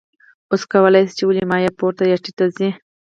اوس کولی شئ چې ولې مایع پورته یا ټیټه ځي.